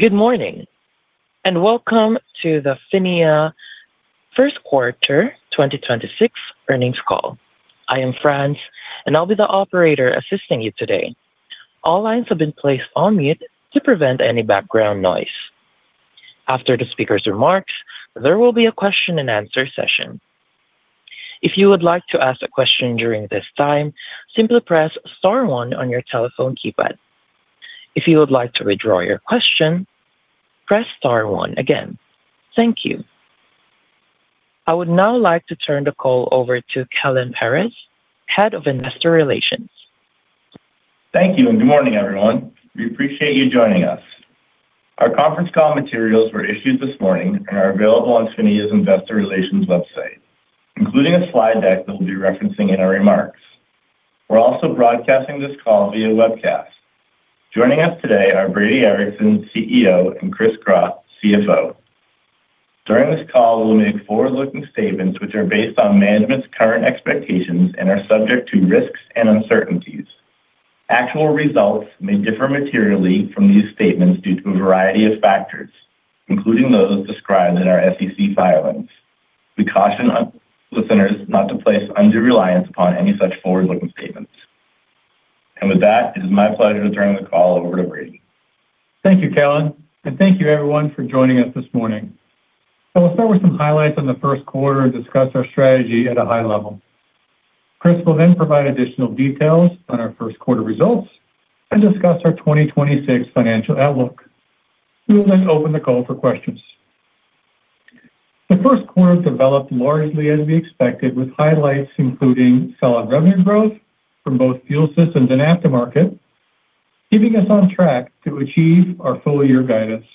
Good morning, welcome to the PHINIA first quarter 2026 earnings call. I am France, I'll be the operator assisting you today. All lines have been placed on mute to prevent any background noise. After the speaker's remarks, there will be a question and answer session. If you would like to ask a question during this time, simply press star one on your telephone keypad. If you would like to withdraw your question, press star one again. Thank you. I would now like to turn the call over to Kellen Ferris, Head of Investor Relations. Thank you. Good morning, everyone. We appreciate you joining us. Our conference call materials were issued this morning and are available on PHINIA's investor relations website, including a slide deck that we'll be referencing in our remarks. We're also broadcasting this call via webcast. Joining us today are Brady Ericson, CEO, and Chris Gropp, CFO. During this call, we'll make forward-looking statements which are based on management's current expectations and are subject to risks and uncertainties. Actual results may differ materially from these statements due to a variety of factors, including those described in our SEC filings. We caution on listeners not to place undue reliance upon any such forward-looking statements. With that, it is my pleasure to turn the call over to Brady. Thank you, Kellen, and thank you everyone for joining us this morning. I will start with some highlights on the first quarter and discuss our strategy at a high level. Chris will provide additional details on our first quarter results and discuss our 2026 financial outlook. We will open the call for questions. The first quarter developed largely as we expected with highlights, including solid revenue growth from both Fuel Systems and Aftermarket, keeping us on track to achieve our full-year guidance.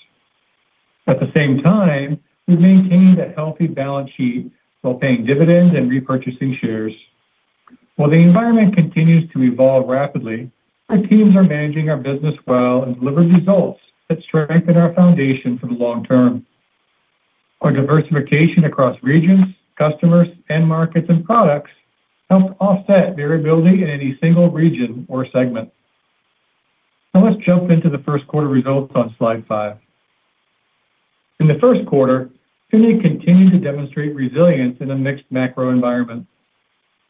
At the same time, we maintained a healthy balance sheet while paying dividends and repurchasing shares. While the environment continues to evolve rapidly, our teams are managing our business well and deliver results that strengthen our foundation for the long term. Our diversification across regions, customers, end markets, and products help offset variability in any single region or segment. Now let's jump into the first quarter results on slide five. In the first quarter, PHINIA continued to demonstrate resilience in a mixed macro environment.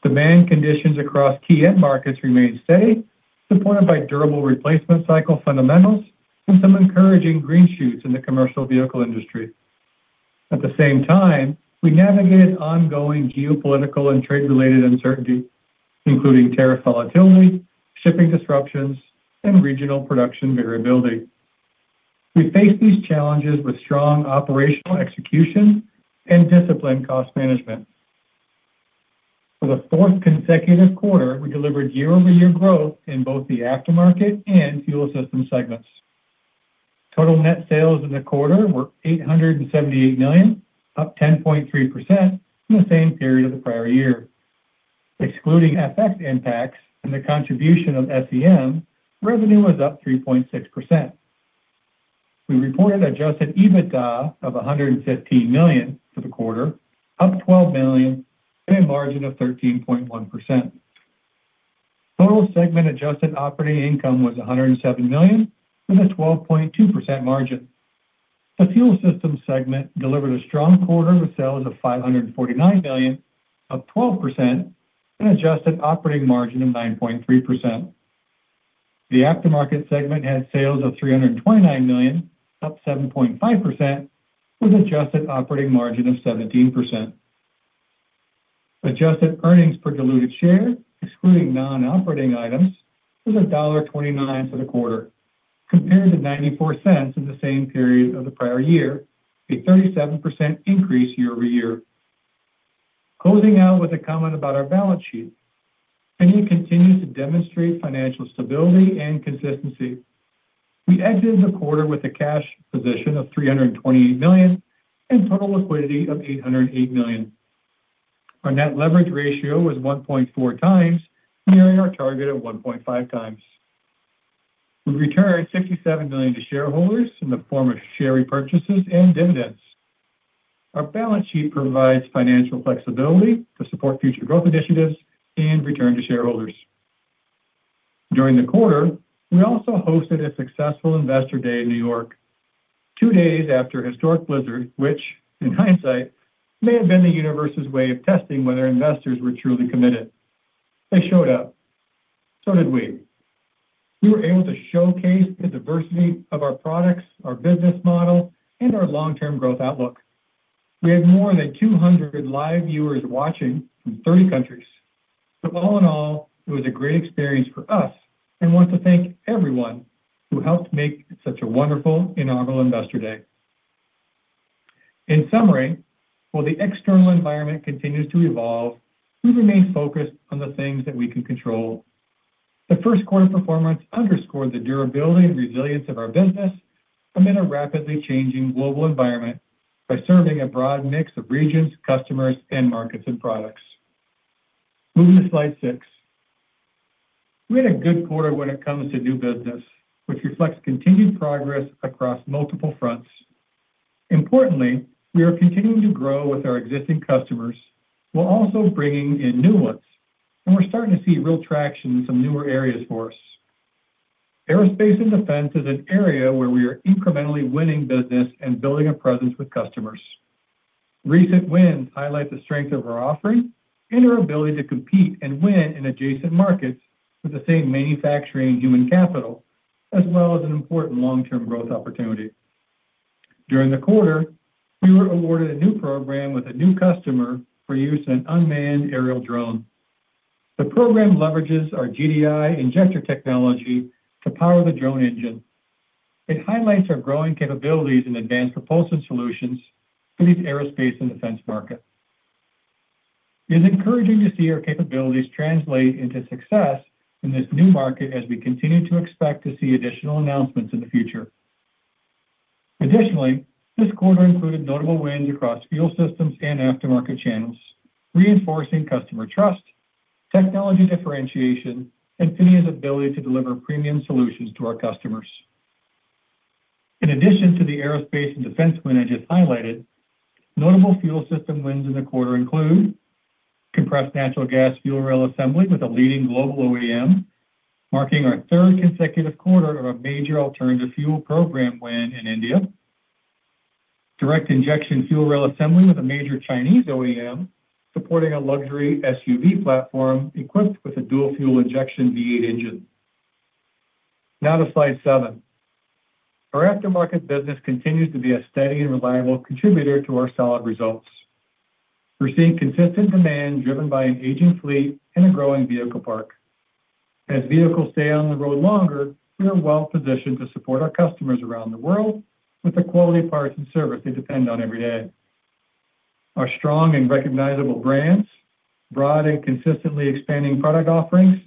Demand conditions across key end markets remained steady, supported by durable replacement cycle fundamentals and some encouraging green shoots in the commercial vehicle industry. At the same time, we navigated ongoing geopolitical and trade-related uncertainty, including tariff volatility, shipping disruptions, and regional production variability. We face these challenges with strong operational execution and disciplined cost management. For the 4th consecutive quarter, we delivered year-over-year growth in both the Aftermarket and Fuel Systems segments. Total net sales in the quarter were $878 million, up 10.3% from the same period of the prior year. Excluding FX impacts and the contribution of SEM, revenue was up 3.6%. We reported Adjusted EBITDA of $115 million for the quarter, up $12 million and a margin of 13.1%. Total segment adjusted operating income was $107 million, with a 12.2% margin. The Fuel Systems segment delivered a strong quarter with sales of $549 million, up 12% and adjusted operating margin of 9.3%. The Aftermarket segment had sales of $329 million, up 7.5% with adjusted operating margin of 17%. Adjusted earnings per diluted share, excluding non-operating items, was $1.29 for the quarter, compared to $0.94 in the same period of the prior year, a 37% increase year-over-year. Closing out with a comment about our balance sheet. PHINIA continues to demonstrate financial stability and consistency. We ended the quarter with a cash position of $328 million and total liquidity of $808 million. Our net leverage ratio was 1.4x, nearing our target of 1.5x. We returned $67 million to shareholders in the form of share repurchases and dividends. Our balance sheet provides financial flexibility to support future growth initiatives and return to shareholders. During the quarter, we also hosted a successful Investor Day in New York, two days after a historic blizzard, which in hindsight, may have been the universe's way of testing whether investors were truly committed. They showed up. So did we. We were able to showcase the diversity of our products, our business model, and our long-term growth outlook. We had more than 200 live viewers watching from 30 countries. All in all, it was a great experience for us and want to thank everyone who helped make such a wonderful inaugural Investor Day. In summary, while the external environment continues to evolve, we remain focused on the things that we can control. The first quarter performance underscored the durability and resilience of our business amid a rapidly changing global environment by serving a broad mix of regions, customers, end markets, and products. Moving to slide six. We had a good quarter when it comes to new business, which reflects continued progress across multiple fronts. Importantly, we are continuing to grow with our existing customers while also bringing in new ones, and we're starting to see real traction in some newer areas for us. Aerospace and defense is an area where we are incrementally winning business and building a presence with customers. Recent wins highlight the strength of our offering and our ability to compete and win in adjacent markets with the same manufacturing human capital, as well as an important long-term growth opportunity. During the quarter, we were awarded a new program with a new customer for use in unmanned aerial drone. The program leverages our GDI injector technology to power the drone engine. It highlights our growing capabilities in advanced propulsion solutions for these aerospace and defense market. It is encouraging to see our capabilities translate into success in this new market as we continue to expect to see additional announcements in the future. This quarter included notable wins across Fuel Systems and Aftermarket channels, reinforcing customer trust, technology differentiation, and PHINIA's ability to deliver premium solutions to our customers. In addition to the aerospace and defense win I just highlighted, notable Fuel Systems wins in the quarter include Compressed Natural Gas Fuel Rail Assembly with a leading global OEM, marking our third consecutive quarter of a major alternative fuel program win in India. Direct Injection Fuel Rail Assembly with a major Chinese OEM, supporting a luxury SUV platform equipped with a dual-fuel-injection V8 engine. Now to slide seven. Our Aftermarket business continues to be a steady and reliable contributor to our solid results. We're seeing consistent demand driven by an aging fleet and a growing vehicle park. As vehicles stay on the road longer, we are well-positioned to support our customers around the world with the quality parts and service they depend on every day. Our strong and recognizable brands, broad and consistently expanding product offerings,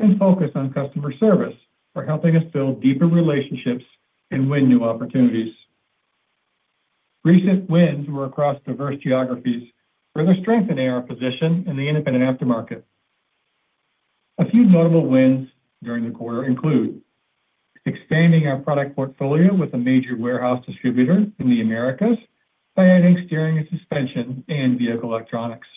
and focus on customer service are helping us build deeper relationships and win new opportunities. Recent wins were across diverse geographies, further strengthening our position in the independent Aftermarket. A few notable wins during the quarter include expanding our product portfolio with a major warehouse distributor in the Americas by adding steering and suspension and vehicle electronics.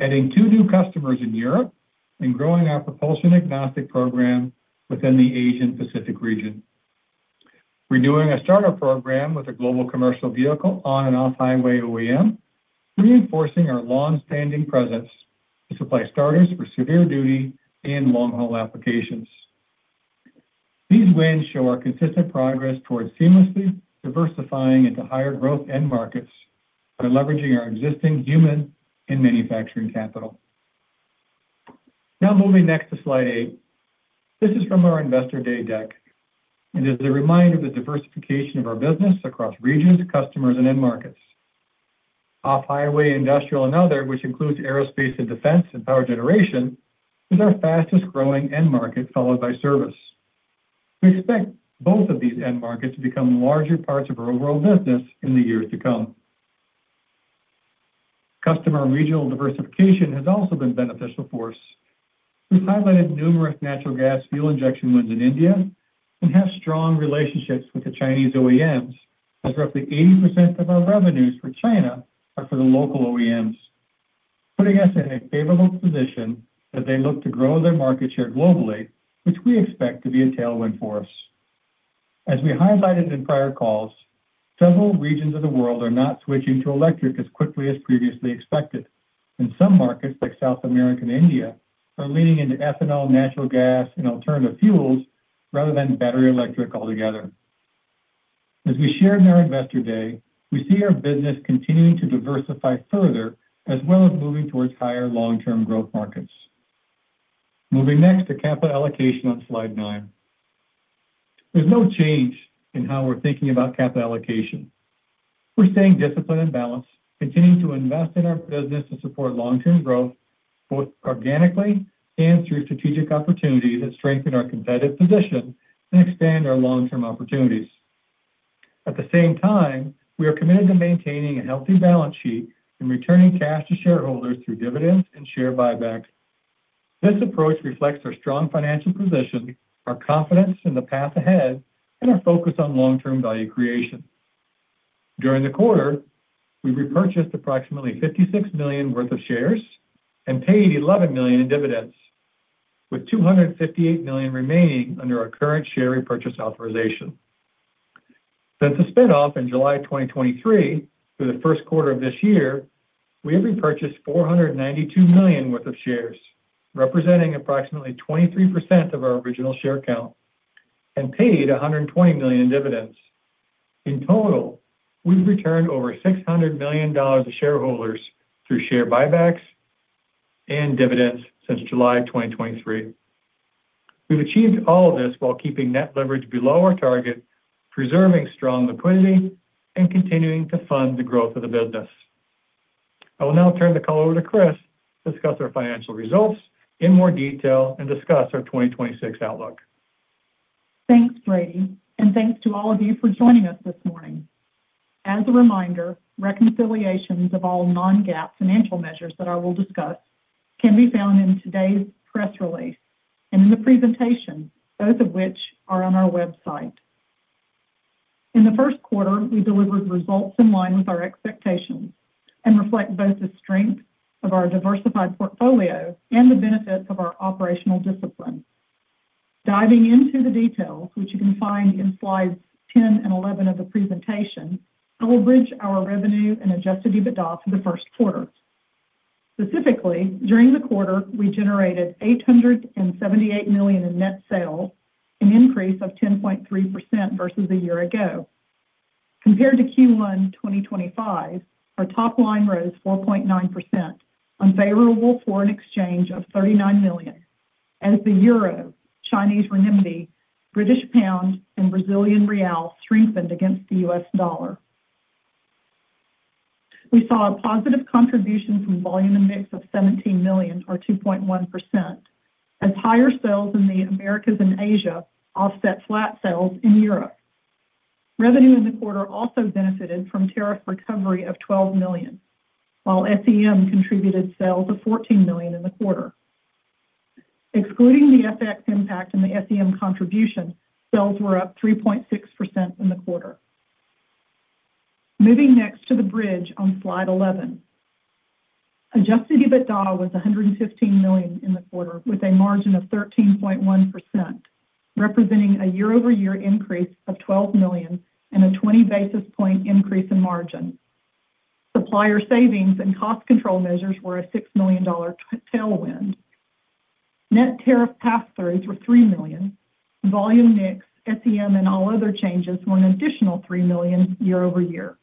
Adding two new customers in Europe and growing our propulsion agnostic program within the Asia-Pacific region. Renewing a starter program with a global commercial vehicle on- and off-highway OEM, reinforcing our long-standing presence to supply starters for severe-duty and long-haul applications. These wins show our consistent progress towards seamlessly diversifying into higher-growth end markets by leveraging our existing human and manufacturing capital. Moving next to slide eight. This is from our Investor Day deck, and is a reminder of the diversification of our business across regions, customers, and end markets. Off-highway, industrial, and other, which includes aerospace and defense and power generation, is our fastest-growing end market, followed by service. We expect both of these end markets to become larger parts of our overall business in the years to come. Customer regional diversification has also been beneficial for us. We've highlighted numerous natural gas fuel injection wins in India and have strong relationships with the Chinese OEMs, as roughly 80% of our revenues for China are for the local OEMs, putting us in a favorable position as they look to grow their market share globally, which we expect to be a tailwind for us. As we highlighted in prior calls, several regions of the world are not switching to electric as quickly as previously expected. In some markets like South America and India are leaning into ethanol, natural gas, and alternative fuels rather than battery electric altogether. As we shared in our Investor Day, we see our business continuing to diversify further, as well as moving towards higher long-term growth markets. Moving next to capital allocation on slide nine. There's no change in how we're thinking about capital allocation. We're staying disciplined and balanced, continuing to invest in our business to support long-term growth, both organically and through strategic opportunities that strengthen our competitive position and expand our long-term opportunities. At the same time, we are committed to maintaining a healthy balance sheet and returning cash to shareholders through dividends and share buybacks. This approach reflects our strong financial position, our confidence in the path ahead, and our focus on long-term value creation. During the quarter, we repurchased approximately $56 million worth of shares and paid $11 million in dividends, with $258 million remaining under our current share repurchase authorization. Since the spin-off in July 2023 through the first quarter of this year, we have repurchased $492 million worth of shares, representing approximately 23% of our original share count, and paid $120 million in dividends. In total, we've returned over $600 million to shareholders through share buybacks and dividends since July 2023. We've achieved all of this while keeping net leverage below our target, preserving strong liquidity, and continuing to fund the growth of the business. I will now turn the call over to Chris to discuss our financial results in more detail and discuss our 2026 outlook. Thanks, Brady. Thanks to all of you for joining us this morning. As a reminder, reconciliations of all non-GAAP financial measures that I will discuss can be found in today's press release and in the presentation, both of which are on our website. In the first quarter, we delivered results in line with our expectations and reflect both the strength of our diversified portfolio and the benefits of our operational discipline. Diving into the details, which you can find in slides 10 and 11 of the presentation, I will bridge our revenue and Adjusted EBITDA for the first quarter. Specifically, during the quarter we generated $878 million in net sales, an increase of 10.3% versus a year ago. Compared to Q1 2025, our top line rose 4.9% on favorable foreign exchange of $39 million as the euro, Chinese renminbi, British pound, and Brazilian real strengthened against the US dollar. We saw a positive contribution from volume and mix of $17 million, or 2.1%, as higher sales in the Americas and Asia offset flat sales in Europe. Revenue in the quarter also benefited from tariff recovery of $12 million, while SEM contributed sales of $14 million in the quarter. Excluding the FX impact and the SEM contribution, sales were up 3.6% in the quarter. Moving next to the bridge on slide 11. Adjusted EBITDA was $115 million in the quarter, with a margin of 13.1%, representing a year-over-year increase of $12 million and a 20 basis point increase in margin. Supplier savings and cost control measures were a $6 million tailwind. Net tariff pass-throughs were $3 million. Volume mix, SEM, and all other changes were an additional $3 million year-over-year.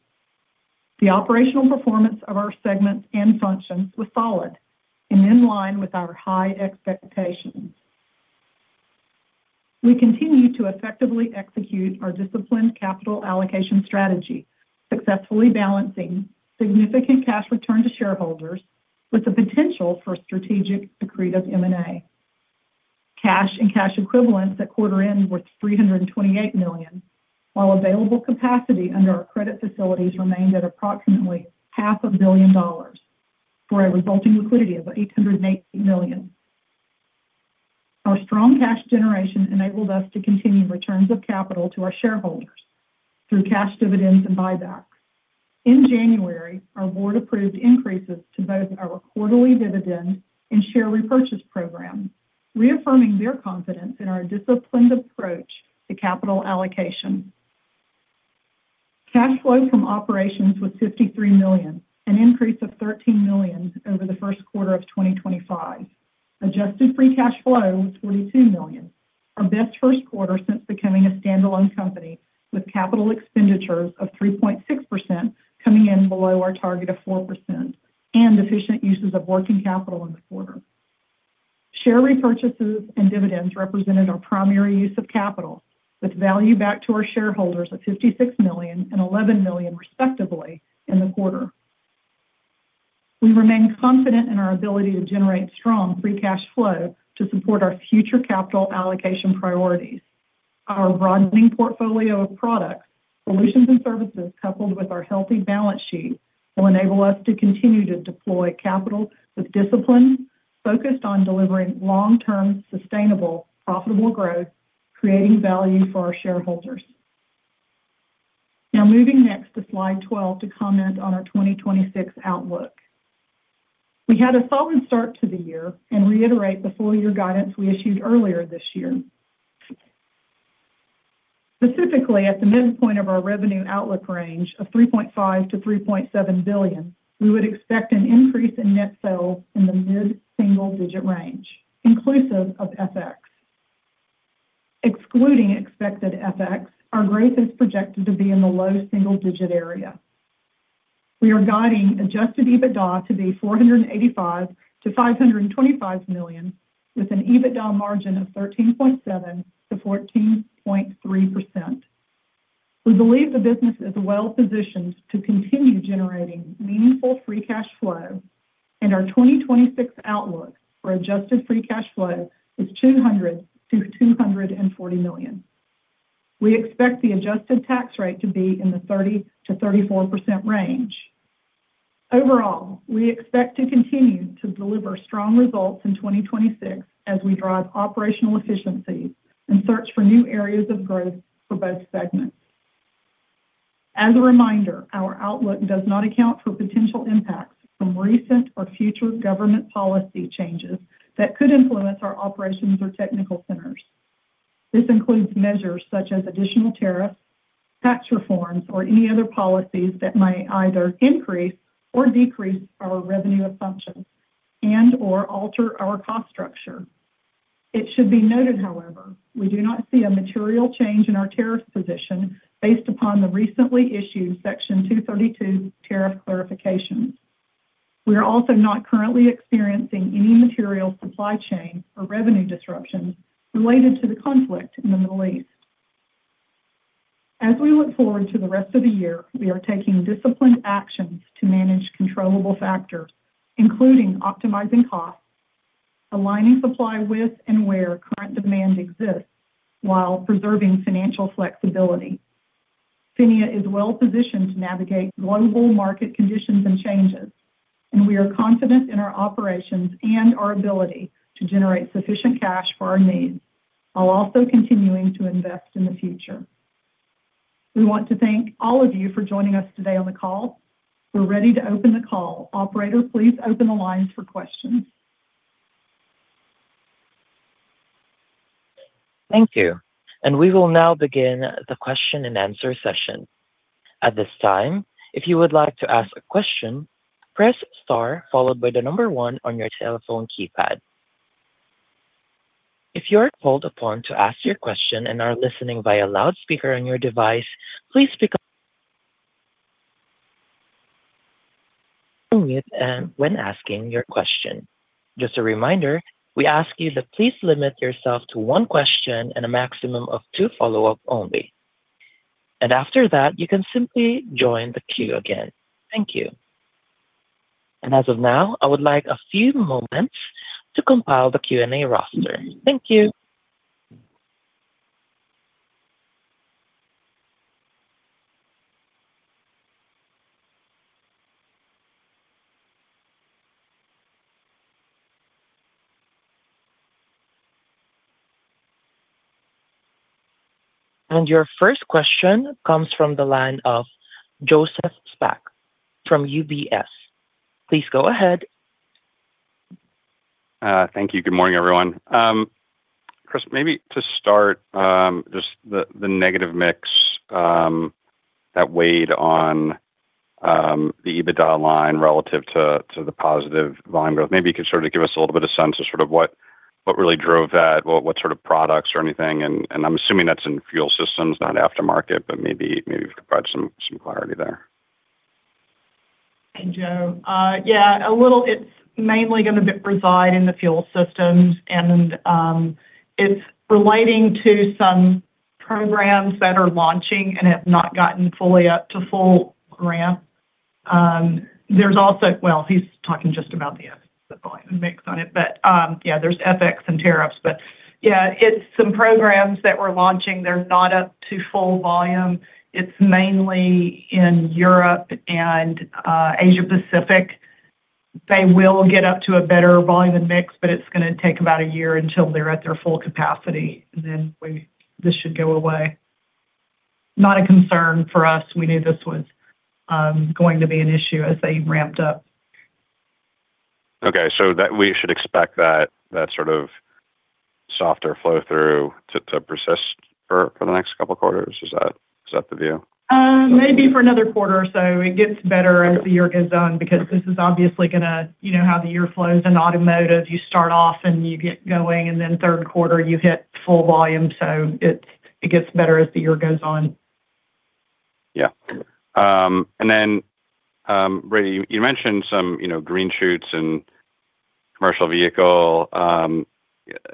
The operational performance of our segments and functions was solid and in line with our high expectations. We continue to effectively execute our disciplined capital allocation strategy, successfully balancing significant cash return to shareholders with the potential for strategic accretive M&A. Cash and cash equivalents at quarter end were $328 million, while available capacity under our credit facilities remained at approximately $500,000,000 for a resulting liquidity of $818 million. Our strong cash generation enabled us to continue returns of capital to our shareholders through cash dividends and buybacks. In January, our board approved increases to both our quarterly dividend and share repurchase program, reaffirming their confidence in our disciplined approach to capital allocation. Cash flow from operations was $53 million, an increase of $13 million over the first quarter of 2025. Adjusted Free Cash Flow was $22 million, our best first quarter since becoming a standalone company, with capital expenditures of 3.6% coming in below our target of 4% and efficient uses of working capital in the quarter. Share repurchases and dividends represented our primary use of capital, with value back to our shareholders of $56 million and $11 million respectively in the quarter. We remain confident in our ability to generate strong free cash flow to support our future capital allocation priorities. Our broadening portfolio of products, solutions, and services, coupled with our healthy balance sheet, will enable us to continue to deploy capital with discipline focused on delivering long-term, sustainable, profitable growth, creating value for our shareholders. Now moving next to slide 12 to comment on our 2026 outlook. We had a solid start to the year and reiterate the full-year guidance we issued earlier this year. Specifically, at the midpoint of our revenue outlook range of $3.5 billion-$3.7 billion, we would expect an increase in net sales in the mid-single-digit range, inclusive of FX. Excluding expected FX, our growth is projected to be in the low-single-digit area. We are guiding Adjusted EBITDA to be $485 million-$525 million, with an EBITDA margin of 13.7%-14.3%. We believe the business is well-positioned to continue generating meaningful free cash flow, and our 2026 outlook for Adjusted Free Cash Flow is $200 million-$240 million. We expect the adjusted tax rate to be in the 30%-34% range. Overall, we expect to continue to deliver strong results in 2026 as we drive operational efficiency and search for new areas of growth for both segments. As a reminder, our outlook does not account for potential impacts from recent or future government policy changes that could influence our operations or technical centers. This includes measures such as additional tariffs, tax reforms, or any other policies that might either increase or decrease our revenue assumptions and/or alter our cost structure. It should be noted, however, we do not see a material change in our tariff position based upon the recently issued Section 232 tariff clarifications. We are also not currently experiencing any material supply chain or revenue disruptions related to the conflict in the Middle East. As we look forward to the rest of the year, we are taking disciplined actions to manage controllable factors, including optimizing costs, aligning supply with and where current demand exists while preserving financial flexibility. PHINIA is well positioned to navigate global market conditions and changes, we are confident in our operations and our ability to generate sufficient cash for our needs while also continuing to invest in the future. We want to thank all of you for joining us today on the call. We're ready to open the call. Operator, please open the lines for questions. Thank you. We will now begin the question and answer session. At this time, if you would like to ask a question, press star followed by the number one on your telephone keypad. If you are called upon to ask your question and are listening by a loudspeaker on your device, please speak up when asking your question. Just a reminder, we ask you to please limit yourself to one question and a maximum of two follow-up only. After that, you can simply join the queue again. Thank you. As of now, I would like a few moments to compile the Q&A roster. Thank you. Your first question comes from the line of Joseph Spak from UBS. Please go ahead. Thank you. Good morning, everyone. Chris Gropp, maybe to start, just the negative mix that weighed on the Adjusted EBITDA line relative to the positive volume growth. Maybe you could give us a little sense of what really drove that, what sort of products or anything. I'm assuming that's in Fuel Systems, not Aftermarket, but maybe you could provide some clarity there. Hey, Joe. Yeah, it's mainly gonna reside in the Fuel Systems and it's relating to some programs that are launching and have not gotten fully up to full ramp. Well, he's talking just about the volume and mix on it. Yeah, there's FX and tariffs. Yeah, it's some programs that we're launching. They're not up to full volume. It's mainly in Europe and Asia-Pacific. They will get up to a better volume and mix, but it's gonna take about a year until they're at their full capacity. This should go away. Not a concern for us. We knew this was going to be an issue as they ramped up. Okay. We should expect that sort of softer flow through to persist for the next couple quarters. Is that the view? Maybe for another quarter or so. It gets better as the year goes on because this is obviously going to, you know how the year flows in automotive. You start off, and you get going, and then third quarter you hit full volume. It gets better as the year goes on. Yeah. Brady, you mentioned some, you know, green shoots in commercial vehicle.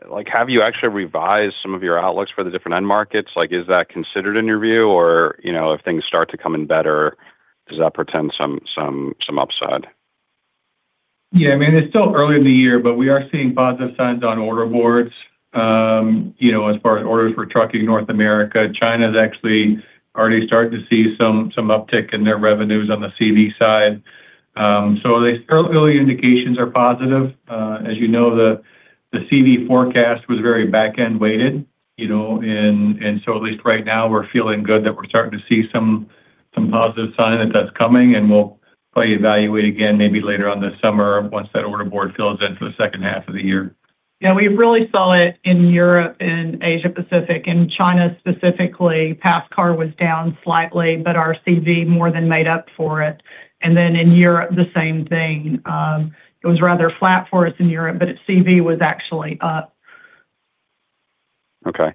Like, have you actually revised some of your outlooks for the different end markets? Like, is that considered in your view? Or, you know, if things start to come in better, does that portend some upside? I mean, it's still early in the year, but we are seeing positive signs on order boards, you know, as far as orders for trucking North America. China's actually already starting to see some uptick in their revenues on the CV side. The early indications are positive. As you know, the CV forecast was very back-end weighted, you know. At least right now we're feeling good that we're starting to see some positive sign that that's coming, and we'll probably evaluate again maybe later on this summer once that order board fills in for the second half of the year. Yeah, we really saw it in Europe and Asia-Pacific. In China specifically, pass-car was down slightly, but our CV more than made up for it. In Europe, the same thing. It was rather flat for us in Europe, but its CV was actually up. Okay.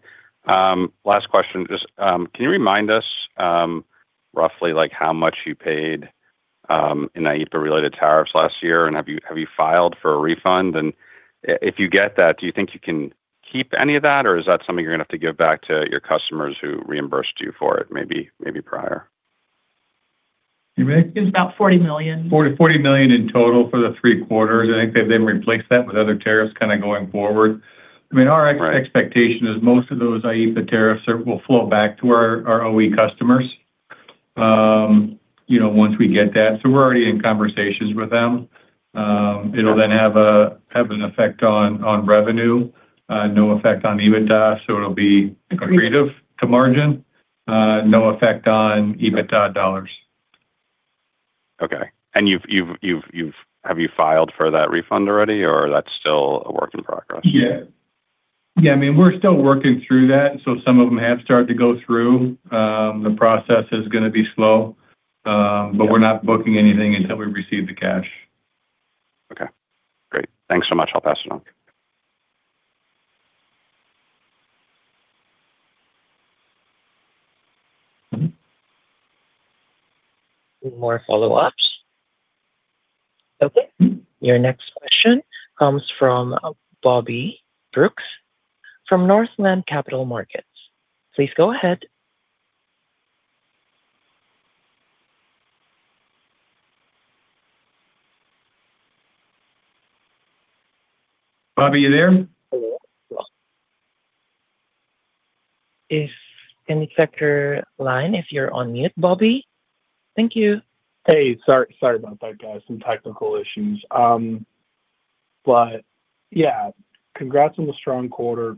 Last question. Just, can you remind us, roughly, like, how much you paid, in IEEPA-related tariffs last year, and have you filed for a refund? If you get that, do you think you're gonna have to give back to your customers who reimbursed you for it maybe prior? You ready? It was about $40 million. $40 million in total for the three quarters. I think they've then replaced that with other tariffs kinda going forward. I mean, our expectation is most of those IEEPA tariffs will flow back to our OE customers, you know, once we get that. We're already in conversations with them. It'll then have an effect on revenue, no effect on EBITDA, it'll be accretive to margin. No effect on EBITDA dollars. Okay. Have you filed for that refund already, or that's still a work in progress? Yeah. Yeah, I mean, we're still working through that, so some of them have started to go through. The process is gonna be slow. Yeah We're not booking anything until we receive the cash. Okay, great. Thanks so much. I'll pass it on. Any more follow-ups? Okay. Your next question comes from Bobby Brooks from Northland Capital Markets. Please go ahead. Bobby, are you there? If, in sector line, if you're on mute, Bobby. Thank you. Hey, sorry about that, guys. Some technical issues. Yeah, congrats on the strong quarter.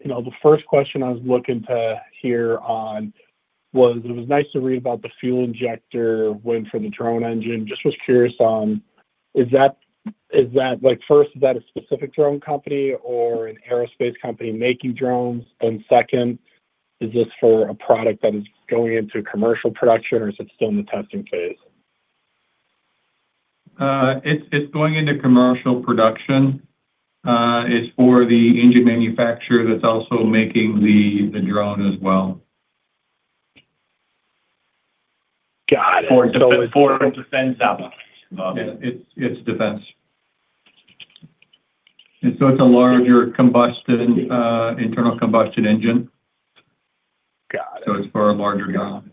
You know, the first question I was looking to hear on was, it was nice to read about the fuel injector win for the drone engine. Just was curious on, like first, is that a specific drone company or an aerospace company making drones? Second, is this for a product that is going into commercial production, or is it still in the testing phase? It's going into commercial production. It's for the engine manufacturer that's also making the drone as well. Got it. For defense applications. It's, it's defense. It's a larger internal combustion engine. Got it. It's for a larger drone.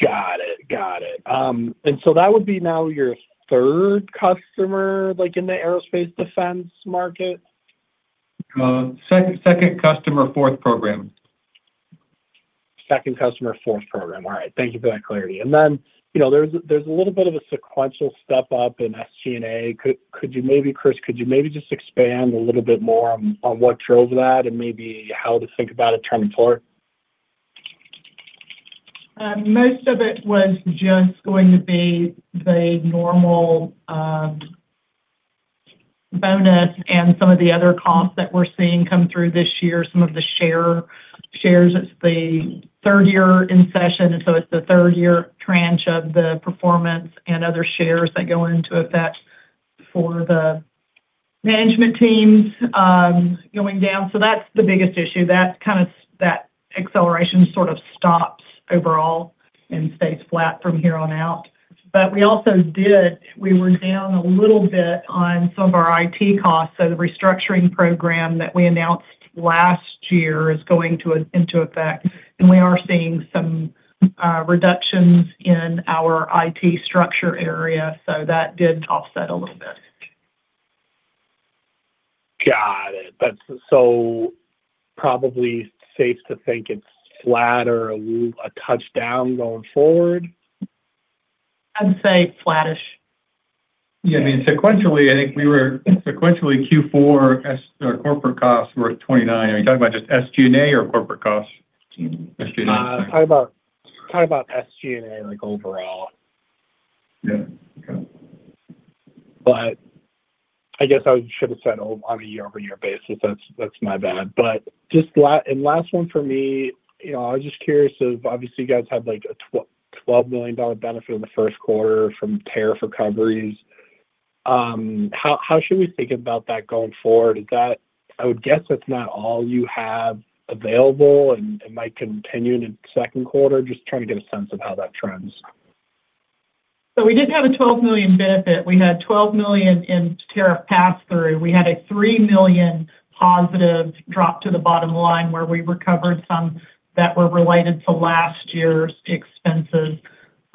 Got it. Got it. That would be now your third customer, like in the aerospace defense market? Second customer, fourth program. Second customer, fourth program. All right. Thank you for that clarity. Then, you know, there's a little bit of a sequential step up in SG&A. Could you maybe, Chris, could you maybe just expand a little bit more on what drove that and maybe how to think about it turning forward? Most of it was just going to be the normal bonus and some of the other costs that we're seeing come through this year, some of the shares. It's the third year in session, so it's the third year tranche of the performance and other shares that go into effect for the management teams going down. That's the biggest issue. That acceleration sort of stops overall and stays flat from here on out. We also did, we were down a little bit on some of our IT costs. The restructuring program that we announced last year is going into effect, and we are seeing some reductions in our IT structure area. That did offset a little bit. Got it. That's probably safe to think it's flat or a little touch down going forward? I'd say flattish. Yeah, I mean, sequentially, I think Q4 or corporate costs were at $29. Are you talking about just SG&A or corporate costs? Talking about SG&A, like overall. Yeah. Okay. I guess I should have said on a year-over-year basis, that's my bad. Just last one for me, you know, I was just curious of obviously, you guys have like a $12 million benefit in the first quarter from tariff recoveries. How should we think about that going forward? I would guess that's not all you have available and it might continue into second quarter. Just trying to get a sense of how that trends. We did have a $12 million benefit. We had $12 million in tariff pass-through. We had a $3 million positive drop to the bottom line where we recovered some that were related to last year's expenses.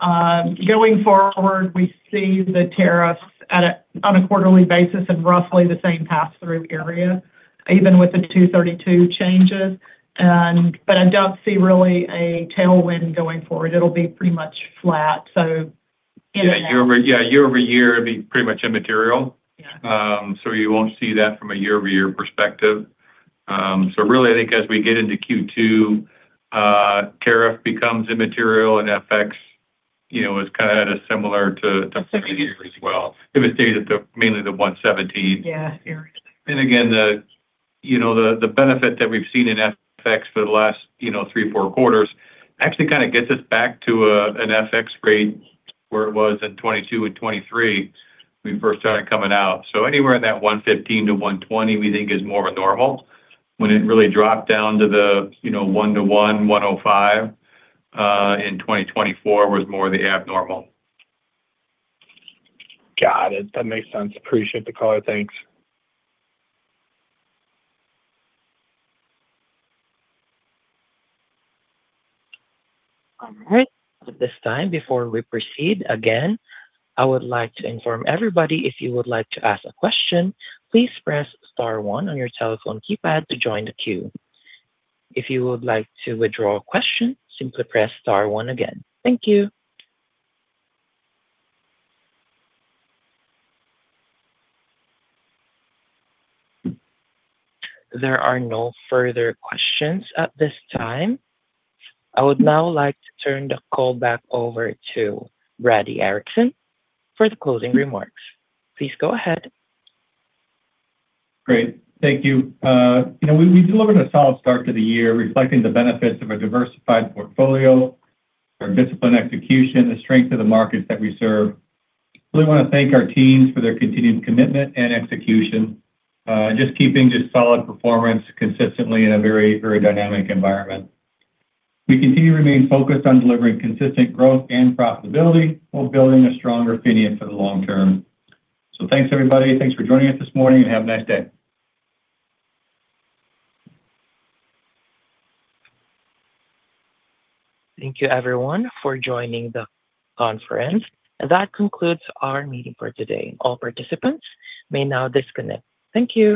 Going forward, we see the tariffs at a, on a quarterly basis and roughly the same pass-through area, even with the Section 232 changes. But I don't see really a tailwind going forward. It'll be pretty much flat. In and out. Yeah, year-over-year, it'd be pretty much immaterial. Yeah. You won't see that from a year-over-year perspective. Really, I think as we get into Q2, tariff becomes immaterial and FX, you know, is kind of similar to previous year as well. If it's data to mainly the 170. Yeah, sure. Again, the, you know, the benefit that we've seen in FX for the last, you know, three, four quarters actually kinda gets us back to an FX grade where it was in 2022 and 2023, we first started coming out. Anywhere in that 1.15-1.20 we think is more of a normal. When it really dropped down to the, you know, 1.00, 1.05 in 2024 was more the abnormal. Got it. That makes sense. Appreciate the color. Thanks. All right. At this time, before we proceed again, I would like to inform everybody if you would like to ask a question, please press star one on your telephone keypad to join the queue. If you would like to withdraw a question, simply press star one again. Thank you. There are no further questions at this time. I would now like to turn the call back over to Brady Ericson for the closing remarks. Please go ahead. Great. Thank you. You know, we delivered a solid start to the year, reflecting the benefits of a diversified portfolio, our disciplined execution, the strength of the markets that we serve. Really wanna thank our teams for their continued commitment and execution, just keeping just solid performance consistently in a very dynamic environment. We continue to remain focused on delivering consistent growth and profitability while building a stronger PHINIA for the long term. Thanks, everybody. Thanks for joining us this morning, and have a nice day. Thank you, everyone, for joining the conference. That concludes our meeting for today. All participants may now disconnect. Thank you.